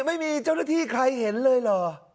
ไม่มีเจ้าหน้าที่ใครเห็นเลยเหรอ